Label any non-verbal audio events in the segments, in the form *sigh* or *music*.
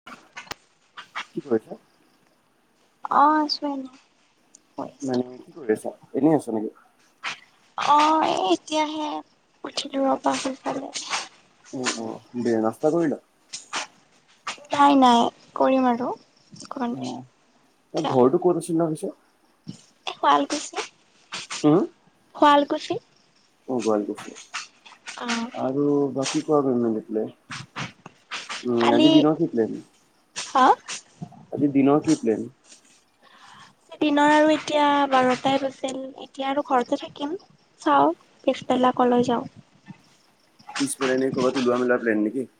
*unintelligible* কি কৰিছা? অ, আছো এনে। কৈ মানে আছিলো কি কৰি আছা? এনেই আছা নেকি? অ, এই এতিয়াহে উঠিলো ৰবা শুই পেলাই উ অ, দিয়া নাস্তা কৰিলা? নাই নাই কৰিম আৰু। অকমান পিছত অ, ঘৰটো ক'ত আচিল নহয় পিছে? এ শুৱালকুছি। হু শুৱালকুছি অ, শুৱালকুছিত অ আৰু বাকী কোৱা উম, কালি আজি দিনৰ কি প্লেন? হা আজি দিনৰ কি প্লেন? দিনৰ আৰু এতিয়া বাৰটাই বাজিল এতিয়া আৰু ঘৰতে থাকিম। চাও পিছবেলা কলৈ যাও পিছবেলা এনে কৰবাত উলোৱা-মেলোৱা প্লেন নে কি?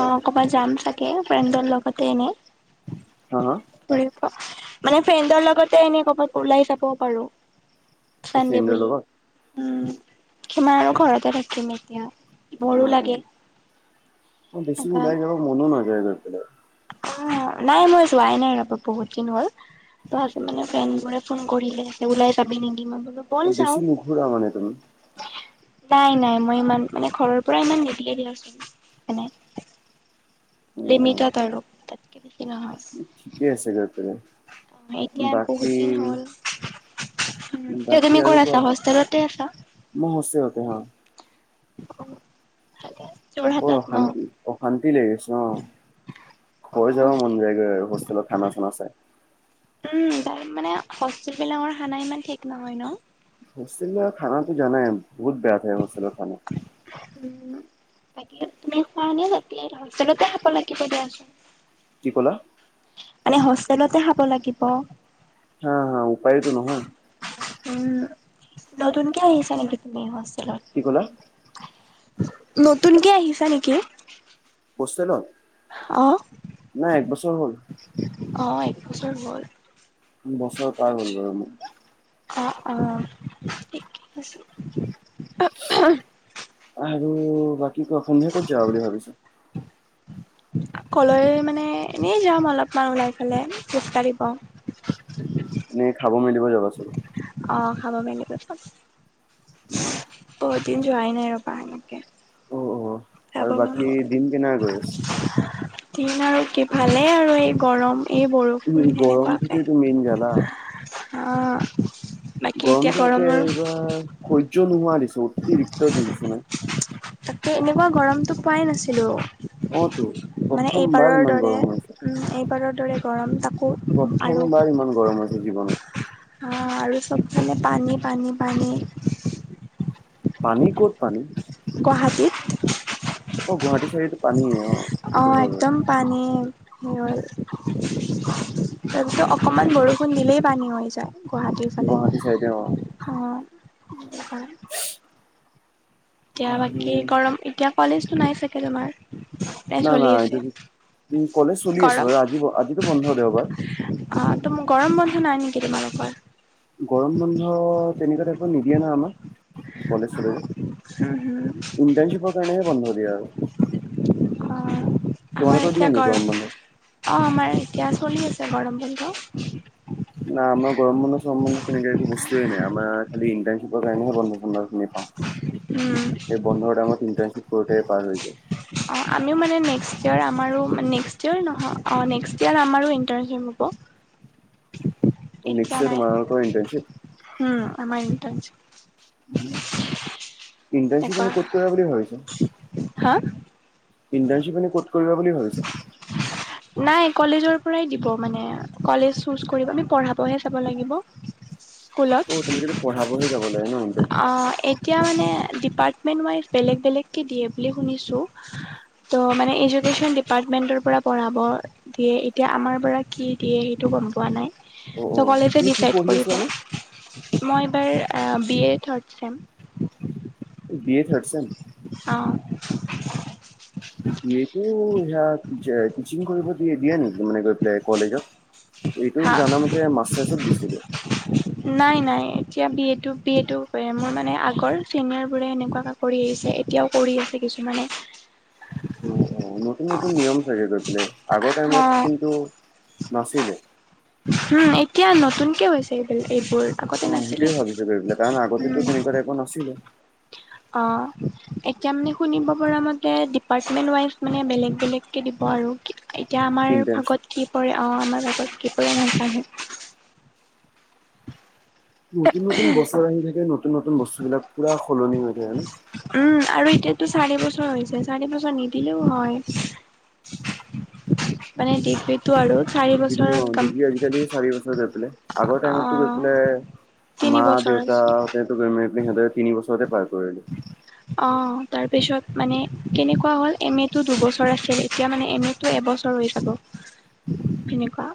অ, কবাত যাম চাগে ফ্ৰেণ্ডৰ লগতে এনে। হা-হা? ঘূৰি থাক মানে ফ্ৰেণ্ডৰ লগতে এনেই কবাত ওলাই যাবও পাৰো। অ চানডে ফ্ৰেণ্ডৰ বুলি। লগত উম, কিমান আৰু ঘৰতে থাকিম এতিয়া বৰো অ অ লাগে। বেছি ওলাই যাব মনো নাযায় গৈ পেলাই অ, নাই মই যোৱাই নাই ৰ'ব বহুত দিন হ'ল। তাহাতি মানে ফ্ৰেণ্ডবোৰে ফোন কৰিলে ওলাই যাবি নিকি? মই বোলো ব'ল অ যাওঁ। বেছি নুঘূৰা মানে তুমি নাই নাই মই ইমান মানে ঘৰৰ পৰা ইমান নিদিয়ে দিয়াচোন এনে *unintelligible* অ অ লিমিতত আৰু তাতকৈ বেছি নহয়? ঠিকে আছে গৈ পেলাই অ, এতিয়া বহুত বাকী দিন হ'ল এতিয়া বাকী তুমি ক'ত আৰু কোৱা আছা হোষ্টেলতে আছা? মই হোষ্টেলতে অ অ ভালে বৰ অশান্তি অশান্তি লাগি গৈছে অ ঘূৰি উম, যাব মন যায়গৈ আৰু হোষ্টেলত আমাৰ খন আছে উম, তাৰ মানে হোষ্টেল বিলাকৰ খানা ইমান ঠিক নহয় ন? হষ্টেলৰ খানাটো জানাই বহুত বেয়া হোষ্টেলৰ খানা? উম বাকী তুমি খোৱা নে হোষ্টেলতে খাব লাগিব দিয়াচোন! কি ক'লা? মানে হোষ্টেলতে খাব লাগিব! হা হা উপায়টো নহয়! উম নতুনকে আহিছা নেকি তুমি হোষ্টেলত! কি ক'লা, নতুনকে আহিছা নেকি? হোষ্টেলত নাই একবছৰ হ'ল! অঁ একবছৰ হ'ল! বছৰ পাৰ হ'ল বাৰু, অঁ, অঁ *unintelligible* আৰু বাকী ক সন্ধিয়া ক'ত যাবা বুলি ভাবিছা? কলৈ মানে এনেই যাম অলপমান ওলাই পেলে খোজ কাঢ়িব! এনে খাব মেলিব যাবা চাগে, অঁ, খাব মেলিব যাম! অ *unintelligible* বহুত দিন যোৱাই নাই ৰবা এনেকে? অঁ, অঁ, যাব আৰু মন বাকী গ'ল। দিন কেনে কা গৈছে? দিন আৰু কি ভালেই আৰু এই গৰম এই উম, বৰষুণ গৰমটোৱেতো মেইন জালা। সেনেকুৱাকে! অঁ, বাকী এতিয়া গৰমটোতে গৰমৰ? এইবাৰ সহ্য নোহোৱা দিছে অতিৰিক্ত দি দিছে ন *unintelligible* তাকে এনেকুৱা গৰমটো পোৱাই নাছিলোঁ! অঁ, টো প্ৰথমবাৰ ইমান গৰম হৈছে? ওম এইবাৰৰ দৰে গৰম তাকোঁ আৰু, প্ৰথমবাৰ ইমান গৰম হৈছে জীৱনত! আহ আৰু চব ফালে পানী পানী পানী! পানী ক'ত পানী! গুৱাহাটীত! অ গুৱাহাটী চাগেতু পানীয়ে অ *unintelligible* অঁ হয় বাৰু। একদম পানী! *inaudible* একদম অকমান বৰষুণ দিলেই পানী হৈ যায়! গুৱাহাটীৰ ফালে গুৱাহাটী চাইডে অ'। হ! এতিয়া আৰু বাকী গৰম এতিয়া কলেজটো নাই চাগে তোমাৰ! নে নাই চলি নাই আছে এইটো উ কলেজ চলি আছেো গৰম বাৰু আজি আজিতো বন্ধ দেওবাৰ! অঁ, তো গৰম বন্ধ নাই নেকি তোমালোকৰ! গৰম বন্ধ তেনেকুৱা দেখোন নিদিয়ে নহ আমাক কলেজ চলেজ উম হুম ইণ্টাৰ্নশ্বিপৰ কাৰণেহে বন্ধ দিয়ে আৰু অ আমাৰ তোমালোকৰ দিয়ে এতিয়া নেকি গৰম বন্ধ? অ আমাৰ এতিয়া চলি আছে গৰম বন্ধ না আমাৰ গৰম বন্ধ চৰম বন্ধ তেনেকে একো বস্তুৱে নাই আমাৰ খালি ইন্টাৰ্শ্বিপ কাৰণেহে বন্ধ তোমাৰ উম। নাপাওঁ সেই বন্ধৰ টাইমত ইণ্টানশ্বিপৰটে পাৰ হৈ যায় অ আমি মানে নেক্সট ইয়েৰ আমাৰো নেক্সট ইয়েৰ নহয় অ নেক্সট ইয়েৰ আমাৰো ইণ্টাৰ্শ্বিপ হ'ব। নেক্স এতিয়া ইয়েৰ নাই তোমালোকৰ ইণ্টাৰ্ণশ্বিপ? উম আমা ইণ্টাৰ্ণশ্বিপ। *unintelligible* এনেকুৱা ইন্টাৰ্ণশ্বিপ ক'ত কৰা বুলি ভাবিছা? হা ইণ্টাৰ্ণশ্বিপ এনে ক'ত কৰিবা বুলি ভাবিছা? নাই কলেজৰ পৰাই দিব মানে কলেজ চোজ কৰিব আমি পঢ়াবহে চাব লাগিব। স্কুলত। অ তোমালোকেটো পঢ়াবহে যাব লাগে ন ইণ্টাৰ্ণশ্বিপ তিয়া মানে ডিপাৰ্টমেণ্ট ৱাইজ বেলেগ বেলেগকে দিয়ে বুলি শুনিছোঁ। ত মানে এজুকেশ্যন দিপ- পাৰ্টমেণ্টৰ পৰা পঢ়াব দিয়ে এতিয়া আমাৰ পৰা কি দিয়ে সেইটো গম পোৱা নাই। অ' ত অ' কলেজে তুমি কি ডিচাইড পঢ়ি কৰিব। আছিলানো? মই এইবাৰ B A third sem. B A third sem. অ। বি এটো সেয়া যে টিচিং কৰিব দিয়ে দিয়ে নেকি মানে গৈ পেলাই কলেজত? এইটো হা জানামতে মাষ্টাৰ্ছত দিছিলে। নাই নাই এতিয়া বি এটো বি এটো মোৰ মানে আগৰ চিনিয়ৰবোৰে এনেকুৱা কা- কৰি আহিছে এতিয়াও কৰি আছে কিছুমানে য় অও নতুন নতুন নিয়ম চাগে গৈ পেলাই আগৰ টাইমত অ', কিন্তু নাছিলে। হুম এতিয়া নতুনকে হৈছে এইবিল এইবোৰ। আগতে অ নাছিলে সেইটোয়ে ভাবিছো গৈ কাৰণ উম, আগতেতো তেনেকুৱা তাইপৰ নাছিলে। অ এতিয়া মানে শুনিব পৰা মতে ডিপাৰ্টমেণ্ট ৱাইজ মানে বেলেগ বেলেগকে দিব আৰু। এতিয়া আমাৰ ইণ্টাৰ্ণশ্বিপ। ভাগত কি পৰে অ আমাৰ ভাগত কি পৰে নাাজানো। নতুন নতুন বছৰ আহি থাকে নতুন নতুন বস্তুবিলাক পুৰা সলনি হৈ থাকে ন। উম আৰু এতিয়াতো চাৰি বছৰ হৈছে চাৰি বছৰ নিদিলেও হয়। মানে ডিগ্ৰীত যিনো আও ডিগ্ৰী আজিকালি চাৰি বছৰ হৈ পেলাই আগৰ টাইমটো গৈ অ', পেলাই তিনি মা বছৰ আছিল দেউতাতে গৈ মেৰি পিনি সিহঁতে তিনি বছতে পাৰ কৰিলে। অ তাৰপিছত মানে কেনেকুৱা হ'ল এম মেটো দুবছৰ আছিল এতিয়া মানে এম এ টো এবছৰ হৈ যাব, তেনেকুৱা।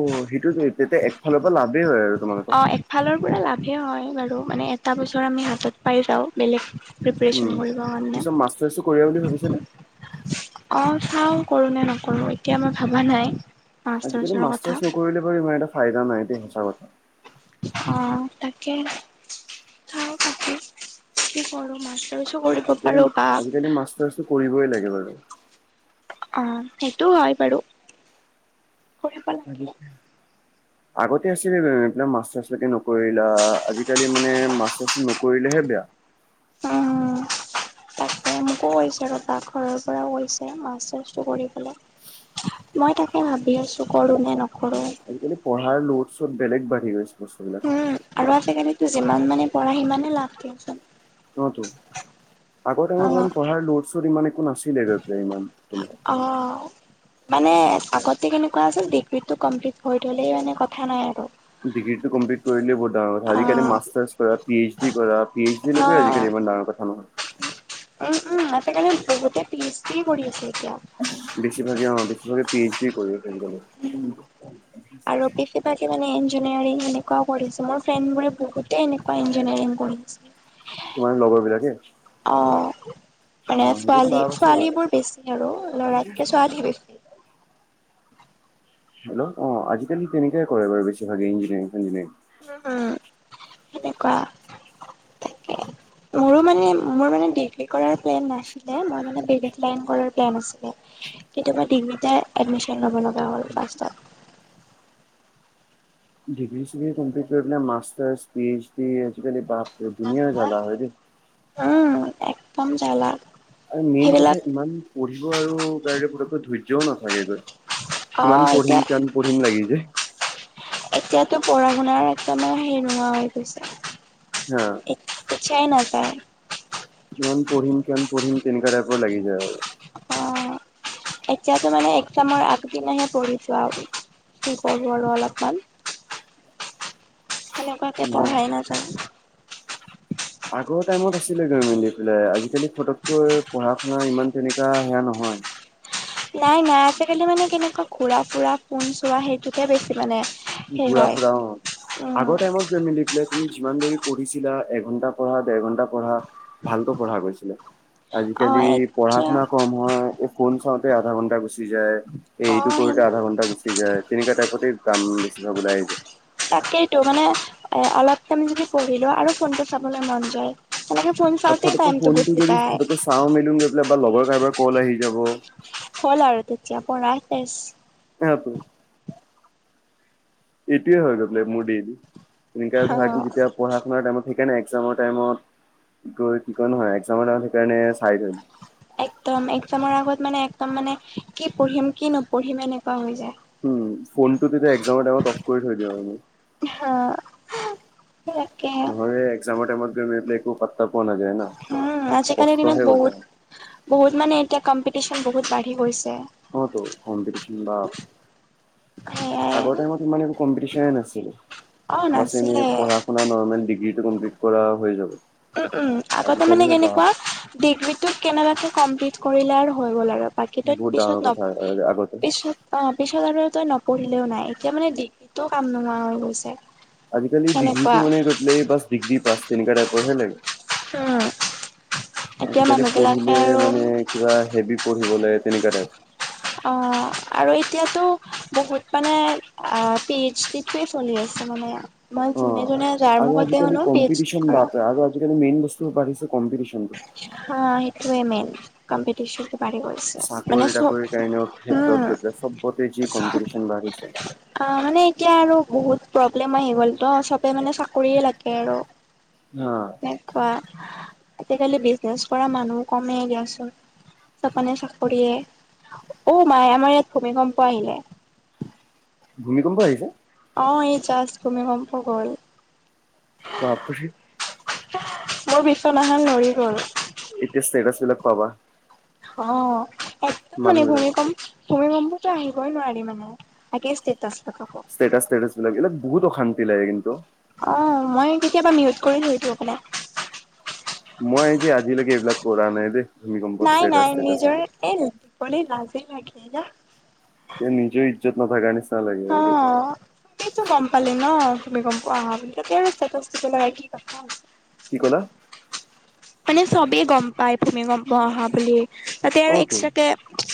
অ সেইটোত তেতিয়া একফালৰ পৰা লাভেই হয় আৰু তোমালোকৰ। ফালৰ পৰা লাভেই হয় বাৰু মানে এটা বছৰ আমি হাতত পাই যাওঁ বেলেগ প্ৰিপেৰেচন উম। কৰিব কাৰণে। পিছত মাষ্টাৰ্চটো কৰিবা বুলি ভাবিছানে? অ চাও কৰো নে নকৰো এতিয়া মই ভবা নাই। আজিকালি মাষ্টাৰ্ছৰ কথা মাষ্টাৰ্চ নকৰিলে বাৰু ইমান এটা ফাইদা নাই দেই সঁচা কথা। অ তাকে চাওঁ তাকেই কি কৰো মা- টাছো কৰিব পাৰো বা যদি মাষ্টাৰ্ছ কৰিবই লাগে বাৰু। অ সেইটো হয় বাৰু। কৰিব লাগে অজিপ দা আগতে আছিলে বে এইবিলাক মাষ্টাৰ্ছ লৈকে নকৰিল আজিকালি মানে মাষ্টাৰ্ছ নকৰিলেহে বেয়া। *inaudible* অ'। তাকে মোকো কৈছে ৰ তাক ঘৰৰ পৰাও কৈছে মাষ্টাৰ্ছটো কৰি বলে। মই তাকে ভাবি আছো কৰো নে নকৰো। পঢ়াৰ ল'ড চ'ত বেলেগ বাঢ়ি গৈছে বস্তু। উম, আৰু আজিকালিতো যিমান মানে পঢ়া সিমানে লাভ দিয়চোন। অ' তু আগৰ টাইমত ইমান অ', পঢ়াৰ লড- চড ইমান একো নাছিলে গৈ পেলাই ইমান তোমাৰ। অঁ। মানে আগতে কেনেকুৱা আছিল ডিগ্ৰীতটো কমপ্লিট হৈ থলেই মানে কথা নাই আৰু। ডিগ্ৰী টো কমপ্লি কৰিলে বহুত ডাঙৰ কথা আজিকালি অ', মাষ্টাৰ্ছ কৰা পি এইচ ডি কৰা পি এইচ যছিলৈকে অ', আজিকিমান ডাঙৰ কথা নহয়। উম, উম সেই কাৰণে বহুতে পি এইচ যিয়ে কৰি আছে এতিয়া। *unintelligible* বেছিভাগে অ বেছিভাগে পি এইচ ডি কৰি *unintelligible* বাকী মানে ইঞ্জিনাৰিং এনেকুৱও কৰিছে মোৰ ফ্ৰেণ্ড বোৰে বহুতে এনেকুৱা ইঞ্জিনিয়াৰিং কৰিছে। তোমাৰ লগৰ বিলাকে? অ' মানে অ সেইটোত ছোৱালী লাভ - আছে ছোৱালী বাৰু বোৰ বেছি আৰু লৰাতকে ছোৱালী বেছি। হেল্ল, অ আজিকালি তেনেকে কৰে বাৰু বেছিভাগে ইঞ্জিনিয়াৰিং চিঞ্জিনিয়াৰিং। উম, সেনেকুৱা তাকে মোৰো। মানে মোৰ মানে ডিগ্ৰী কৰ প্লেন নাছিলে, মই মানে বেলেগ লাইন কৰা প্লেন আছিলে। তেতিয়াপা ডিগ্ৰীতে এডমিশন লব লগা হ'ল লাষ্টত। ডিগ্ৰী চিগ্ৰী কমপ্লিট কৰি পেলাই মাষ্টাৰ পি এইচ ডি আজিকালি পাপ উম একদম জালা। আৰু মেইন কথা সেইবিলাক ইমান পঢ়িব আৰু কাৰে পকৈ ধৈৰ্যও নাথাকেগৈ। অ কিমান এতিয়া পঢ়িম কিমান পঢ়িম লাগি যায়। এতিয়াতো পঢ়া শুনাৰ একদমানে হেৰি নোহোৱা হৈ গৈছে। হা। নাযায়। কিমান পঢ়িম, কিমান পঢ়িম তেনেকুৱা টাইপৰ লাগি যায় আৰু। অ *unintelligible* এতিয়াতো মানে এক্সামৰ আগদিনাহে পঢ়িছো আৰু কি কৰো আৰু অলপমান। সেনেকুৱাকে ন পঢ়াই নাযায়। আগৰ টাইমত আছিলে গৈ মেলিফেলাই আজিকালি ফতককৈ পঢ়া শুনা ইমান তেনেকা সেয়া নহয়। নাই, নাই আজিকালি মানে কেনেকুৱা ঘূৰা ফুৰা ফোন চোৱা সেইটোকে বেছি মানে। সেই ঘুৰা হয় ফুৰা অ' উম আগৰ টাইমত। ফে মিলি পেলাই তুমি যিমান দেৰি পঢ়িছিলা এঘণ্টা পঢ়া, দেৰ ঘণ্টা পঢ়া। ভালকৈ পঢ়া গৈছিলে, অ আজিকালি পঢ়া এতিয়া শুনা কম হয়। ফোন চাওঁতে আধা ঘন্টা গুচি যায়, এই অ এইটো কৰোতে আধা ঘন্টা গুচি যায়। তেনেকুৱা টাইপতে কাম বেছিভাগ ওলাই আহিব। তাকেইতো মানে এ অলপ কম যদি পঢ়িলো আৰু ফোনটো চাবলৈ মন যায়। তেনেকে ফোন আৰু চাওঁতে ফটককৈ টাইমতো ফোনটো গুচি যদি যায়। ফটককৈ চাওঁ মেলোন গৈ পেলাই বা লগৰ কাৰোবাৰ কল আহি যাব। হ'ল আৰু তেতিয়া পঢ়া ছেছ। অ প *unintelligible* এইটোৱে আৰু হৈ পেলায় মোৰ ডেইলি, এনেকা অ ধৰা কি যেতিয়া। পঢ়া শুাৰ টাইমত সেইকাৰণে একজামৰ টাইমত কি কি কয় নহয় একজামৰ টাইমত সেইকাৰণে চাই থম। একদম একজামৰ আগত মানে একদম মানে কি পঢ়িম কি নপঢ়িম এনেকুৱা হৈ যায়। উম, ফোনটো তেতিয়া একজামৰ টাইমত অফ কৰি থৈ দিওঁ আৰু। হয়। নহয় এ একজামৰ টাইমত গৈ মে পেলাই একো পত্তা পোৱা নাযায় ন, উম আজিকালিৰ দিনত কষ্টহে উলতা বহুত হয়। বহুত মানে এতিয়া কম্পিটিচন বহুত বাঢ়ি গৈছে। অ তো কম্পিটিচন বা সেয়াই আগৰ টাইমত ইমান একো কম্পিটিচনে নাছিলে অ বচ এনে নাছিলে পঢ়া আপোনাৰ নৰ্মেল ডিগ্ৰিটো কমপ্লিট কৰা হৈ যাব। উম উম আগতে মানে আজিকালিহে বাপ কেনেকুৱা ডিগ্ৰীটো কেনেবাকে কমপ্লিট কৰিলে আৰু হৈ গ'ল আৰু। বাকী তই বহুত পিছত ডাঙৰ ন কথা আগতে। পিছত অ পিছত আৰু তই নপঢ়িলেও নাই এতিয়া মানে ডিগ্ৰীটোও কাম নোহোৱা হৈ গৈছে। আজি-কালি সেনেকুৱা ডিগ্ৰীটো মানে এটা *unintelligible* পাছ ডিগ্ৰী পাছ তেনেকুৱা টাইপৰহে লাগে। উম এতিয়া আজি-কালি মানুহবিলাকে পঢ়িলে আৰু মানে কিবা হেভি পঢ়িব লাগে তেনেকুৱা টাইপ। অ আৰু এতিয়াতো বহুত মানে আ পি এইচি তে চলি আছে মানে মই যোনে অ' যোনে যাৰ আৰু মুখতে আজি-কালি শুনো পি এইচ ডি কম্পিটিচন কৰা বাতে আৰু আজি-কালি মেইন বস্তু বাঢ়িছে কম্পিটিচন টো। হা সেইটোৱে মেইন কম্পিটিচন টো বাঢ়িবই। চাকৰি তাকৰিৰ কাৰণেও ক্ষেত্ৰত গৈ পেলাই চবতে যি চব কম্পিটিচন বাঢ়িছে। অ মানে এতিয়া আৰু বহুত প্ৰব্লেম আহি গ'ল তো চবে মানে চাকৰিয়ে লাগে আৰু। অ এনেকুৱা আজি-কালি বিজনেছ কৰা মানুহ কমেই দিয়াচোনা চাপানে চাকৰিয়ে। অ মাই আমাৰ ইয়াত ভূমিকম্প আহিলে। ভূমি কম্প আহিছে! অ এই জাষ্ট ভূমিকম্প গ'ল। বা পিৰি মোৰ বিচনাখন লৰি গ'ল। এতিয়া ষ্টেটাছ বিলাক পাবা। অ একদম মানে মানুহ ভূমি বিলাকৰ। কম ভূমিকম্পটো আহিবই নোৱাৰি মানে আগে ষ্টেটাছ লগাব। ষ্টেটাচ ষ্টেটাছ বিলাক এইবিলাক বহুত অশান্তি লাগে কিন্তু। অ মই কেতিয়াবা মিউট কৰি থৈ দিওঁ অকমান মই যে আজিলৈকে এইবিলাক কৰা নাই দেই। ভূমিকম্পত নাই ষ্টেটাচ নাই ষ্টেটাচ নিজৰে এইবিলাক। ফ্ৰেণ্ড দিবলে লাজেই লাগে না কে নিজেও ইজ্জত নাথাকা নিচনা লাগিব দে চবেইটো গম পালে ন তুমি গম পোৱা আহা বুলি তেতিয়াহে ষ্টেটাছটো তোমাৰ কি কথা কি কলা মানে চবেই গম- পাই ভূমিকম্প অহা বুলি তাতে আৰু অ' তো এক্সট্ৰাকে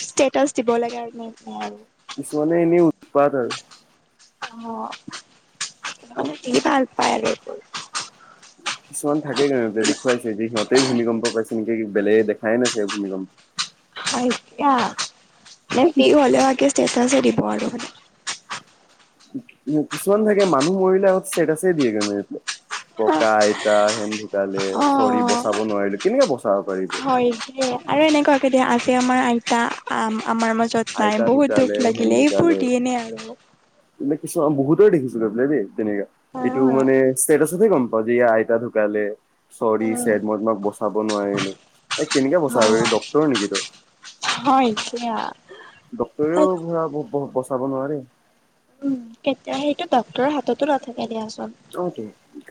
ষ্টেটাছ দিব লাগে আৰু এনেকে আৰু কিছুমানে এনে উৎপাত আৰু। অ মানে সি ভাল পায় আৰু এইবোৰ। কিছুমান থাকেই কাৰণ এতে দেখুৱাইছেঁ যে সিহঁতেই ভূমিকম্প পাইছে নেকি বেলেগে দেখাই নাই ছাগে ভূমিকম্প হয় দিয়া *unintelligible* হলে হয় বাকী ষ্টেটাছে দিব আৰু মানে। কিছুমান থাকে মানুহ মৰিলে আক ষ্টেটাছে দিয়ে একেবাৰে ককা, আইতা হেন ঢুকালে অ চৰি বচাব নোৱাৰিলো কেনেকে বচাব পাৰিবি। সেইটোৱে আৰু এনেকুৱা কেতিয়া আজি আমাৰ আইতা আমাৰ মাজত নাই আইতা বহুত দুখ লাগিলে এইবোৰ দিন এনে আৰু কিন্তু কিছু বহুতৰে দেখিছো গৈ পেলাই দেই তেনেকা এইটো মানে চেচ পিচতহে গম পাওঁ যে ই আইতা ঢুকালে চৰি চেছ হয় মই তোমাক বচাব নোৱাৰিলো এ কেনেকে বচাব পাৰিবি ডক্তৰ নেকি তই হয় এতিয়া ডক্তৰেও ধৰা ব বচাব নোৱাৰে উম কেতিয়া সেইটো ডক্তৰৰ হাততো নাথাকে দিয়াচোন অ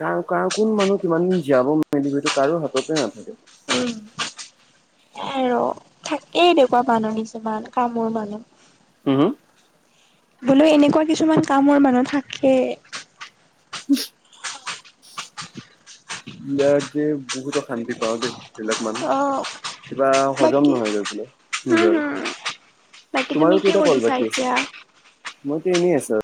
কাৰ কাৰ কোন মানুহ কিমান দিন জীয়াব মেলিব সেইটো কাৰো হাততে নাথাকে উম এ ৰ থাকেই এনেকুৱা মানুহ কিছুমান কামোৰ মানুহ হুম বোলো এনেকুৱা কিছুমান কামোৰ মানুহ থাকেই ইয়াত যে বহুত অশান্তি পাওঁ দেই এইবিলাক মানুহ অ কিবা হজম বাকী নহয়গে গৈ পেলাই হম নিজৰ হম বাকী তোমাৰ তুমি আৰু কি কেইটা কল কৰিছা বাকী আছে এতিয়া মইতো এনেই আছো আৰু